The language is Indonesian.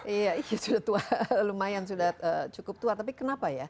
iya sudah tua lumayan sudah cukup tua tapi kenapa ya